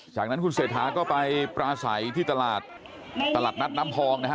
จากนั้นคุณเศรษฐาก็ไปปราศัยที่ตลาดตลาดนัดน้ำพองนะฮะ